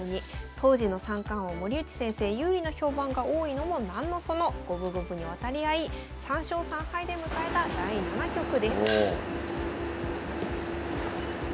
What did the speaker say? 当時の三冠王森内先生有利の評判が多いのも何のその五分五分に渡り合い３勝３敗で迎えた第７局です。